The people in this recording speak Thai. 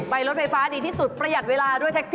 รถไฟฟ้าดีที่สุดประหยัดเวลาด้วยแท็กซี่